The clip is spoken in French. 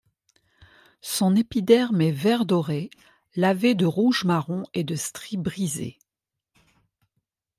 Son épiderme est vert-doré, lavé de rouge-marron et de stries brisées.